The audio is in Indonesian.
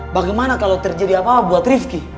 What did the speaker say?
bagaimana kalau terjadi apa apa buat rifki